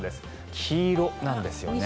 黄色なんですよね。